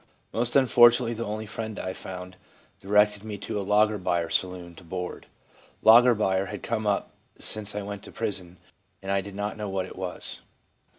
Most unfortunately the only friend I found directed me to a lager bier saloon to board. Lager bier had come up since I went to prison, and I did not know what it was.